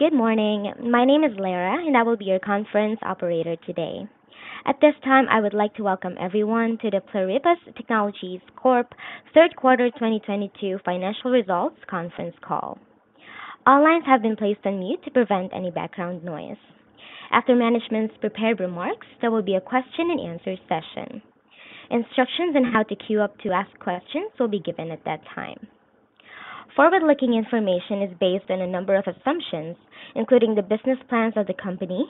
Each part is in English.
Good morning. My name is Lara. I will be your conference operator today. At this time, I would like to welcome everyone to the Pluribus Technologies Corp third quarter 2022 financial results conference call. All lines have been placed on mute to prevent any background noise. After management's prepared remarks, there will be a question-and-answer session. Instructions on how to queue up to ask questions will be given at that time. Forward-looking information is based on a number of assumptions, including the business plans of the company,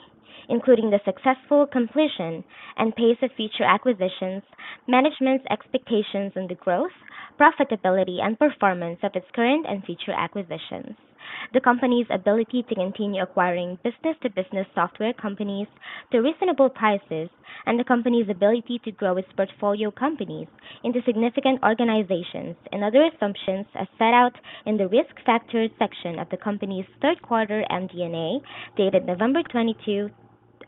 including the successful completion and pace of future acquisitions, management's expectations in the growth, profitability, and performance of its current and future acquisitions, the company's ability to continue acquiring business-to-business software companies to reasonable prices, and the company's ability to grow its portfolio companies into significant organizations and other assumptions as set out in the Risk Factors section of the company's third quarter MD&A dated November 22,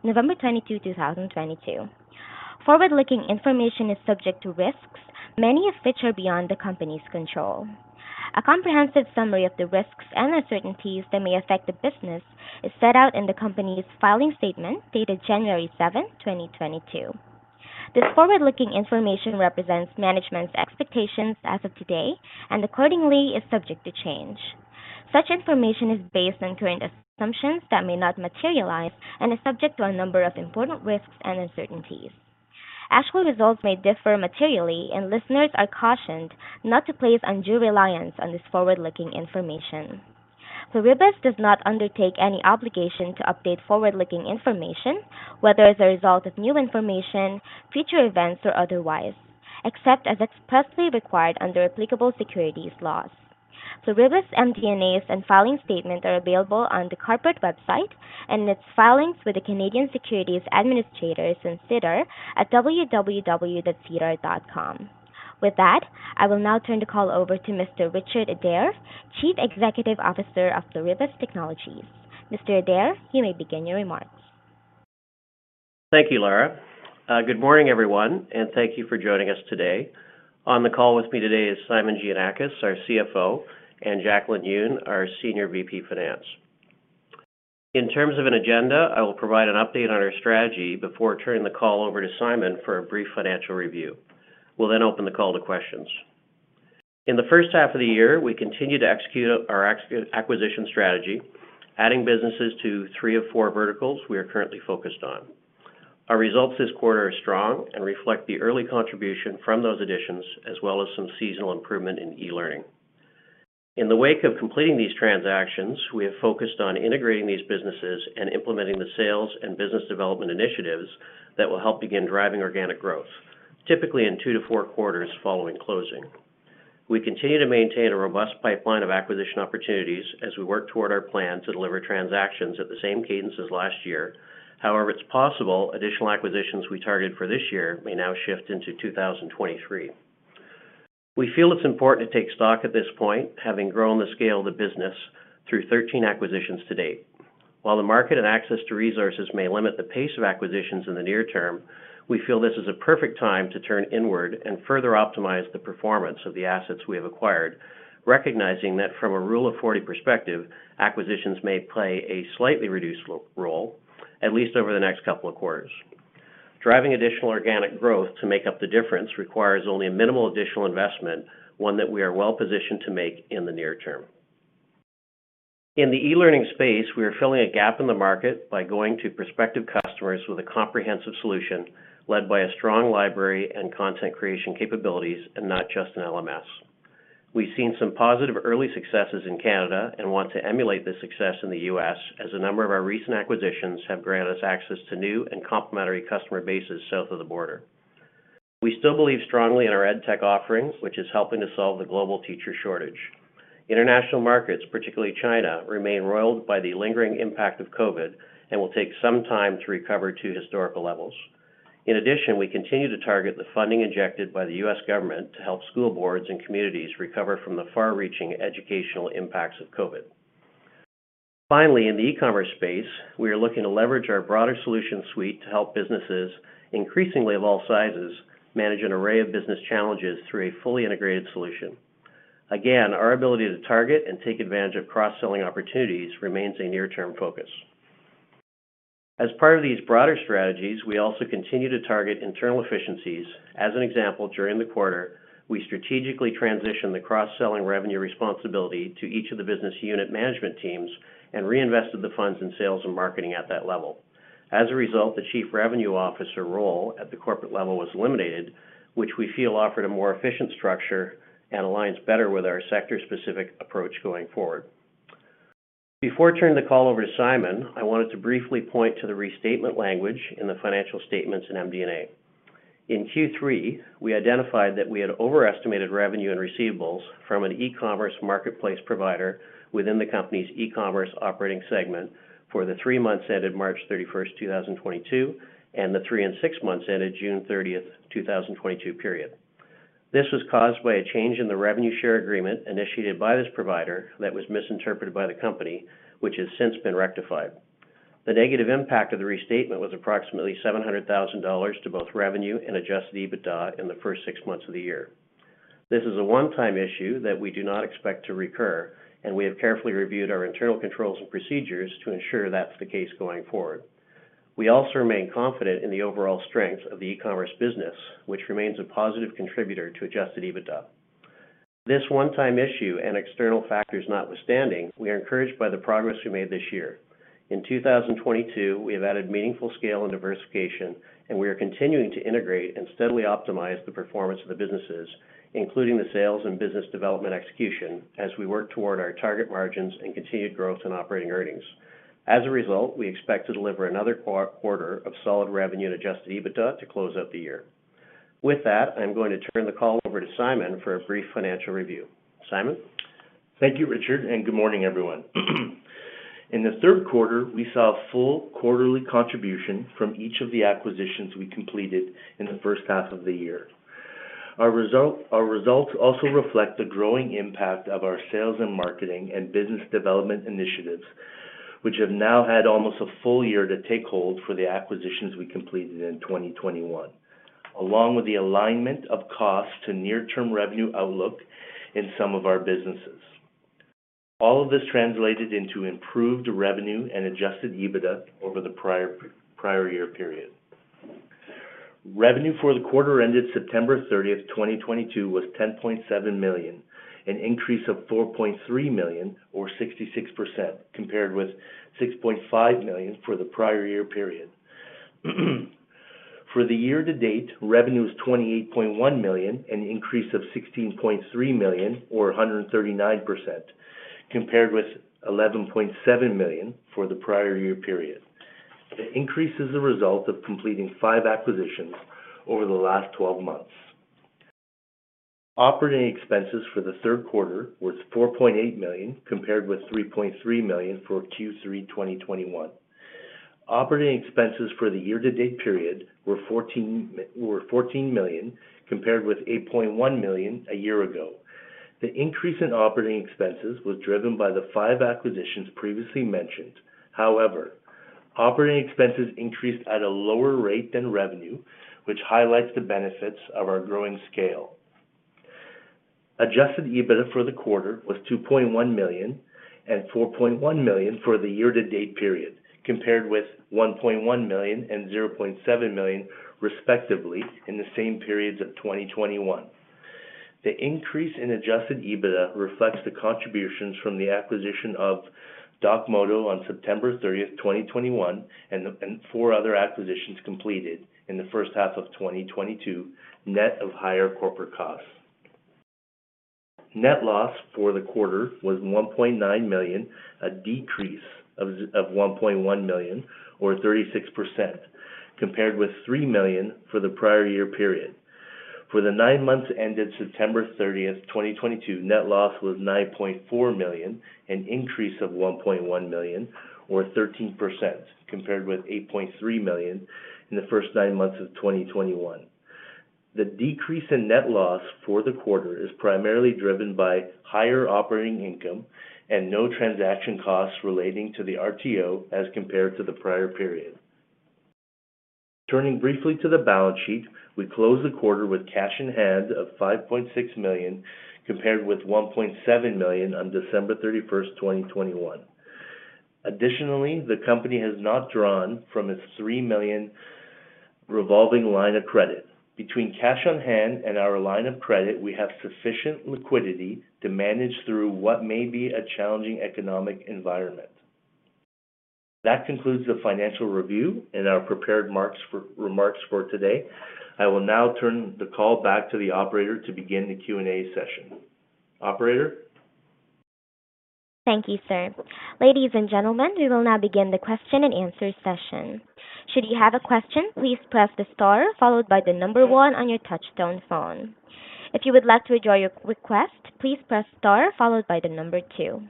2022. Forward-looking information is subject to risks, many of which are beyond the company's control. A comprehensive summary of the risks and uncertainties that may affect the business is set out in the company's filing statement dated January 7, 2022. This forward-looking information represents management's expectations as of today and accordingly is subject to change. Such information is based on current assumptions that may not materialize and is subject to a number of important risks and uncertainties. Actual results may differ materially, and listeners are cautioned not to place undue reliance on this forward-looking information. Pluribus does not undertake any obligation to update forward-looking information, whether as a result of new information, future events or otherwise, except as expressly required under applicable securities laws. Pluribus MD&As and filings statement are available on the corporate website and its filings with the Canadian Securities Administrators in SEDAR at www.sedar.com. With that, I will now turn the call over to Mr. Richard Adair, Chief Executive Officer of Pluribus Technologies. Mr. Adair, you may begin your remarks. Thank you, Lara. Good morning, everyone, thank you for joining us today. On the call with me today is Simon Giannakis, our CFO, and Jacqueline Yuen, our Senior VP, Finance. In terms of an agenda, I will provide an update on our strategy before turning the call over to Simon for a brief financial review. We'll open the call to questions. In the first half of the year, we continued to execute our acquisition strategy, adding businesses to three of four verticals we are currently focused on. Our results this quarter are strong and reflect the early contribution from those additions, as well as some seasonal improvement in e-learning. In the wake of completing these transactions, we have focused on integrating these businesses and implementing the sales and business development initiatives that will help begin driving organic growth, typically in two to four quarters following closing. We continue to maintain a robust pipeline of acquisition opportunities as we work toward our plan to deliver transactions at the same cadence as last year. It's possible additional acquisitions we targeted for this year may now shift into 2023. We feel it's important to take stock at this point, having grown the scale of the business through 13 acquisitions to date. While the market and access to resources may limit the pace of acquisitions in the near term, we feel this is a perfect time to turn inward and further optimize the performance of the assets we have acquired, recognizing that from a Rule of Forty perspective, acquisitions may play a slightly reduced role, at least over the next couple of quarters. Driving additional organic growth to make up the difference requires only a minimal additional investment, one that we are well-positioned to make in the near term. In the e-learning space, we are filling a gap in the market by going to prospective customers with a comprehensive solution led by a strong library and content creation capabilities and not just an LMS. We've seen some positive early successes in Canada and want to emulate the success in the U.S. as a number of our recent acquisitions have granted us access to new and complementary customer bases south of the border. We still believe strongly in our EdTech offerings, which is helping to solve the global teacher shortage. International markets, particularly China, remain roiled by the lingering impact of COVID and will take some time to recover to historical levels. In addition, we continue to target the funding injected by the U.S. government to help school boards and communities recover from the far-reaching educational impacts of COVID. Finally, in the e-commerce space, we are looking to leverage our broader solution suite to help businesses, increasingly of all sizes, manage an array of business challenges through a fully integrated solution. Again, our ability to target and take advantage of cross-selling opportunities remains a near-term focus. As part of these broader strategies, we also continue to target internal efficiencies. As an example, during the quarter, we strategically transitioned the cross-selling revenue responsibility to each of the business unit management teams and reinvested the funds in sales and marketing at that level. As a result, the chief revenue officer role at the corporate level was eliminated, which we feel offered a more efficient structure and aligns better with our sector-specific approach going forward. Before turning the call over to Simon, I wanted to briefly point to the restatement language in the financial statements in MD&A. In Q3, we identified that we had overestimated revenue and receivables from an e-commerce marketplace provider within the company's e-commerce operating segment for the three months ended March 31st, 2022, and the three and six months ended June 30th, 2022 period. This was caused by a change in the revenue share agreement initiated by this provider that was misinterpreted by the company, which has since been rectified. The negative impact of the restatement was approximately 700,000 dollars to both revenue and Adjusted EBITDA in the first six months of the year. This is a one-time issue that we do not expect to recur, and we have carefully reviewed our internal controls and procedures to ensure that's the case going forward. We also remain confident in the overall strength of the e-commerce business, which remains a positive contributor to Adjusted EBITDA. This one-time issue and external factors notwithstanding, we are encouraged by the progress we made this year. In 2022, we have added meaningful scale and diversification, we are continuing to integrate and steadily optimize the performance of the businesses, including the sales and business development execution as we work toward our target margins and continued growth in operating earnings. As a result, we expect to deliver another quarter of solid revenue and Adjusted EBITDA to close out the year. With that, I'm going to turn the call over to Simon for a brief financial review. Simon? Thank you, Richard, and good morning, everyone. In the third quarter, we saw a full quarterly contribution from each of the acquisitions we completed in the first half of the year. Our results also reflect the growing impact of our sales and marketing and business development initiatives, which have now had almost a full year to take hold for the acquisitions we completed in 2021, along with the alignment of costs to near-term revenue outlook in some of our businesses. All of this translated into improved revenue and Adjusted EBITDA over the prior year period. Revenue for the quarter ended September 30, 2022, was 10.7 million, an increase of 4.3 million or 66% compared with 6.5 million for the prior year period. For the year-to-date, revenue is 28.1 million, an increase of 16.3 million or 139% compared with 11.7 million for the prior year period. The increase is a result of completing five acquisitions over the last 12 months. Operating expenses for the third quarter was 4.8 million, compared with 3.3 million for Q3 2021. Operating expenses for the year to date period were 14 million, compared with 8.1 million a year ago. The increase in operating expenses was driven by the five acquisitions previously mentioned. Operating expenses increased at a lower rate than revenue, which highlights the benefits of our growing scale. Adjusted EBITDA for the quarter was 2.1 million and 4.1 million for the year-to-date period, compared with 1.1 million and 0.7 million respectively in the same periods of 2021. The increase in Adjusted EBITDA reflects the contributions from the acquisition of DocMoto on September 30th, 2021, and four other acquisitions completed in the first half of 2022, net of higher corporate costs. Net loss for the quarter was 1.9 million, a decrease of 1.1 million or 36%, compared with 3 million for the prior-year period. For the nine months ended September 30th, 2022, net loss was 9.4 million, an increase of 1.1 million or 13% compared with 8.3 million in the first nine months of 2021. The decrease in net loss for the quarter is primarily driven by higher operating income and no transaction costs relating to the RTO as compared to the prior period. Turning briefly to the balance sheet, we closed the quarter with cash in hand of 5.6 million, compared with 1.7 million on December 31st, 2021. Additionally, the company has not drawn from its 3 million revolving line of credit. Between cash on hand and our line of credit, we have sufficient liquidity to manage through what may be a challenging economic environment. That concludes the financial review and our prepared remarks for today. I will now turn the call back to the operator to begin the Q&A session. Operator? Thank you, sir. Ladies and gentlemen, we will now begin the question and answer session. Should you have a question, please press the star followed by the number one on your touchtone phone. If you would like to withdraw your request, please press star followed by the number two.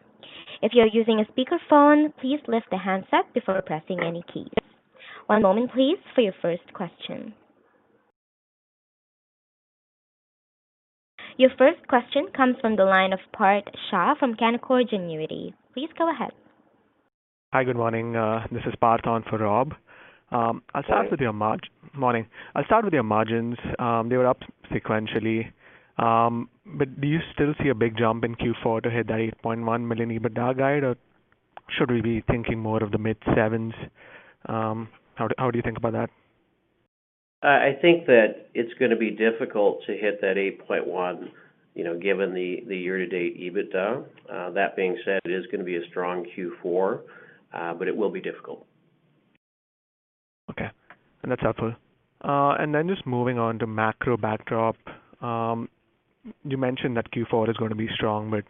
If you're using a speakerphone, please lift the handset before pressing any keys. One moment please for your first question. Your first question comes from the line of Parth Shah from Canaccord Genuity. Please go ahead. Hi, good morning. This is Parth on for Rob. I'll start with your mar-. Good morning. Morning. I'll start with your margins. They were up sequentially. Do you still see a big jump in Q4 to hit that 8.1 million EBITDA guide, or should we be thinking more of the mid-sevens? How do you think about that? I think that it's gonna be difficult to hit that 8.1 million, you know, given the year-to-date EBITDA. That being said, it is gonna be a strong Q4, but it will be difficult. Okay. That's helpful. Just moving on to macro backdrop. You mentioned that Q4 is going to be strong,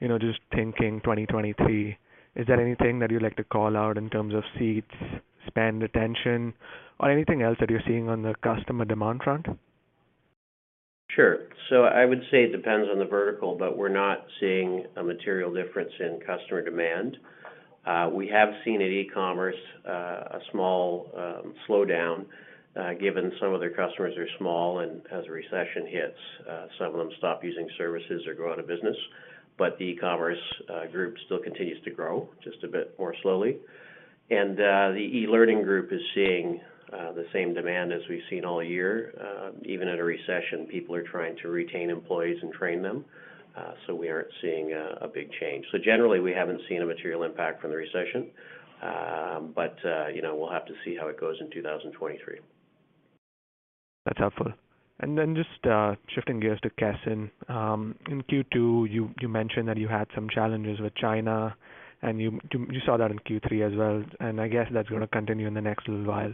you know, just thinking 2023, is there anything that you'd like to call out in terms of seats, spend, retention or anything else that you're seeing on the customer demand front? Sure. I would say it depends on the vertical, but we're not seeing a material difference in customer demand. We have seen at e-commerce a small slowdown given some of their customers are small, and as a recession hits, some of them stop using services or go out of business. The e-commerce group still continues to grow just a bit more slowly. The e-learning group is seeing the same demand as we've seen all year. Even in a recession, people are trying to retain employees and train them. We aren't seeing a big change. Generally, we haven't seen a material impact from the recession. You know, we'll have to see how it goes in 2023. That's helpful. Then just shifting gears to Kesson. In Q2, you mentioned that you had some challenges with China, and you saw that in Q3 as well, and I guess that's gonna continue in the next little while.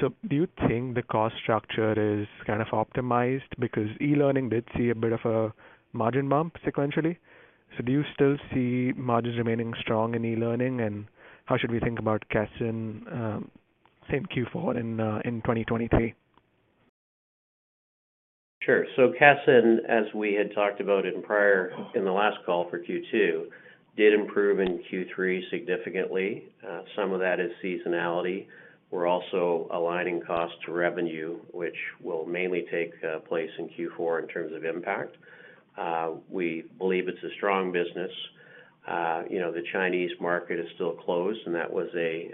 Do you think the cost structure is kind of optimized? Because e-learning did see a bit of a margin bump sequentially. Do you still see margins remaining strong in e-learning, and how should we think about Kesson in Q4 in 2023? Sure. Kesson, as we had talked about it in the last call for Q2, did improve in Q3 significantly. Some of that is seasonality. We're also aligning cost to revenue, which will mainly take place in Q4 in terms of impact. We believe it's a strong business. You know, the Chinese market is still closed, and that was a,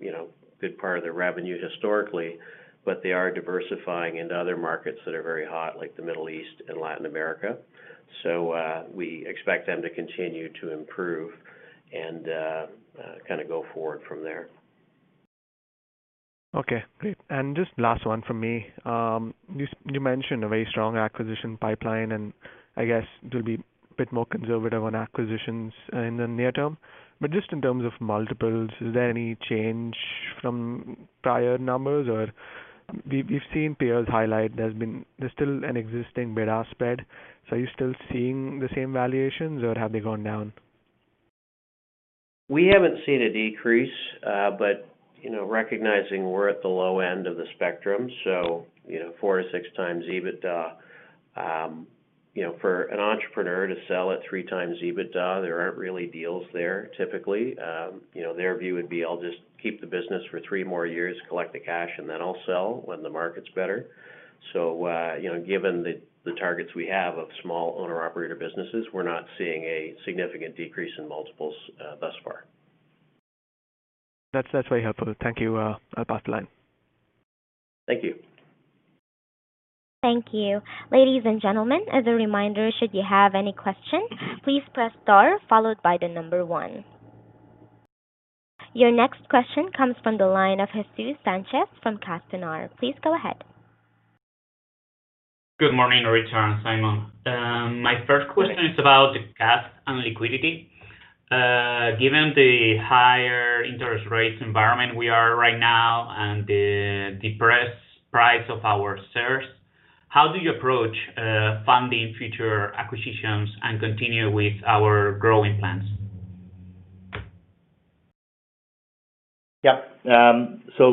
you know, good part of their revenue historically. They are diversifying into other markets that are very hot, like the Middle East and Latin America. We expect them to continue to improve and, kinda go forward from there. Okay, great. Just last one from me. You mentioned a very strong acquisition pipeline, and I guess you'll be a bit more conservative on acquisitions in the near term. Just in terms of multiples, is there any change from prior numbers or... We've seen peers highlight there's still an existing bid-ask spread. Are you still seeing the same valuations or have they gone down? We haven't seen a decrease, you know, recognizing we're at the low end of the spectrum, you know, 4x-6x EBITDA. You know, for an entrepreneur to sell at 3x EBITDA, there aren't really deals there, typically. You know, their view would be, "I'll just keep the business for three more years, collect the cash, and then I'll sell when the market's better." You know, given the targets we have of small owner-operator businesses, we're not seeing a significant decrease in multiples thus far. That's very helpful. Thank you. I'll pass the line. Thank you. Thank you. Ladies and gentlemen, as a reminder, should you have any questions, please press star followed by the number one. Your next question comes from the line of Jesús Sánchez from Castanar. Please go ahead. Good morning, Richard and Simon. My first question is about the cash and liquidity. Given the higher interest rate environment we are right now and the depressed price of our shares, how do you approach funding future acquisitions and continue with our growing plans?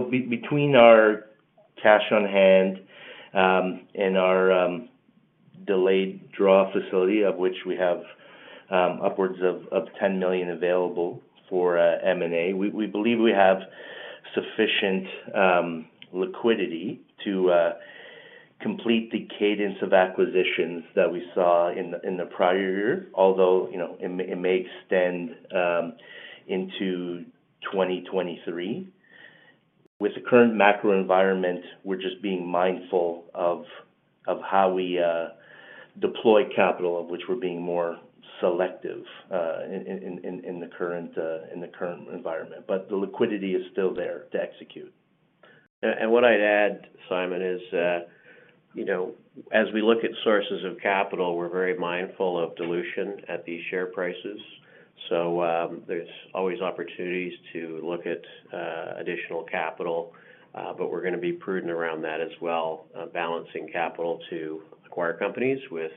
Between our cash on hand and our delayed draw facility of which we have upwards of 10 million available for M&A, we believe we have sufficient liquidity to complete the cadence of acquisitions that we saw in the prior year. Although, you know, it may extend into 2023. With the current macro environment, we're just being mindful of how we deploy capital, of which we're being more selective in the current environment. The liquidity is still there to execute. What I'd add, Simon, is that, you know, as we look at sources of capital, we're very mindful of dilution at these share prices. There's always opportunities to look at additional capital, but we're gonna be prudent around that as well, balancing capital to acquire companies with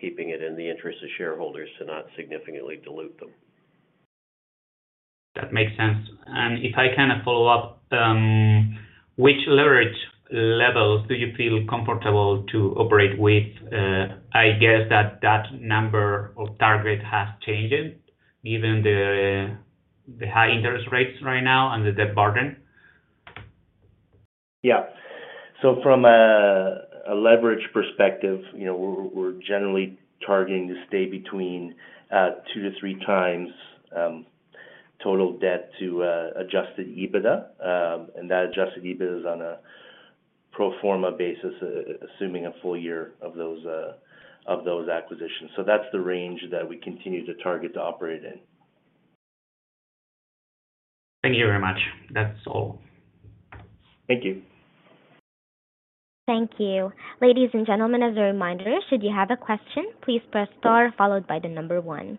keeping it in the interest of shareholders to not significantly dilute them. That makes sense. If I kinda follow up, which leverage levels do you feel comfortable to operate with? I guess that number or target has changed given the high interest rates right now and the debt burden. Yeah. From a leverage perspective, you know, we're generally targeting to stay between 2x-3x total debt to Adjusted EBITDA. That Adjusted EBITDA is on a pro forma basis assuming a full year of those of those acquisitions. That's the range that we continue to target to operate in. Thank you very much. That's all. Thank you. Thank you. Ladies and gentlemen, as a reminder, should you have a question, please press star followed by one.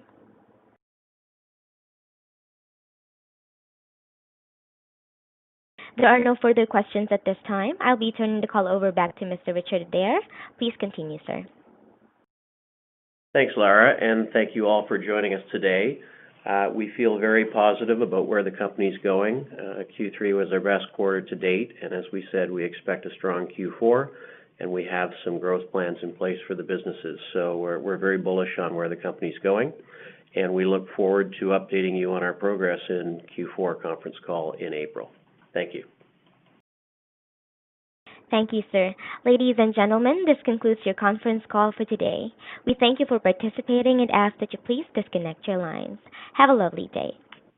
There are no further questions at this time. I'll be turning the call over back to Mr. Richard Adair. Please continue, sir. Thanks, Lara, and thank you all for joining us today. We feel very positive about where the company's going. Q3 was our best quarter to date, and as we said, we expect a strong Q4, and we have some growth plans in place for the businesses. We're very bullish on where the company's going, and we look forward to updating you on our progress in Q4 conference call in April. Thank you. Thank you, sir. Ladies and gentlemen, this concludes your conference call for today. We thank you for participating and ask that you please disconnect your lines. Have a lovely day.